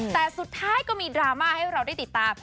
แต่สุดท้ายก็มีดราม่าให้เราได้ติดตาม